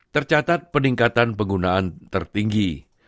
tercatat peningkatan penggunaan tertinggi